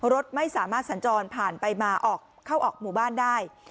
รถไม่สามารถสัญจรผ่านไปมาเข้าออกหมู่บ้านได้